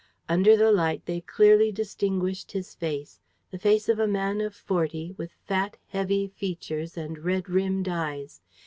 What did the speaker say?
Under the light they clearly distinguished his face, the face of a man of forty, with fat, heavy features and red rimmed eyes.